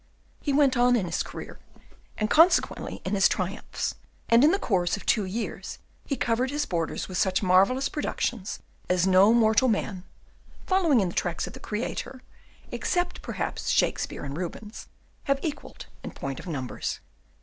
He went on in his career, and consequently in his triumphs; and in the course of two years he covered his borders with such marvellous productions as no mortal man, following in the tracks of the Creator, except perhaps Shakespeare and Rubens, have equalled in point of numbers.